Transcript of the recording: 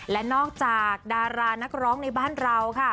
และนอกจากดารานักร้องในบ้านเราค่ะ